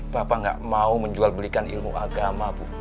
bapak nggak mau menjual belikan ilmu agama bu